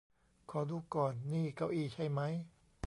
ขอดูก่อน นี่เก้าอี้ใช่มั้ย